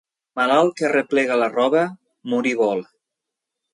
Malalt que arreplega la roba, morir vol.